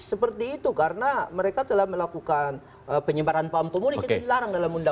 seperti itu karena mereka telah melakukan penyebaran paham komunis itu dilarang dalam undang undang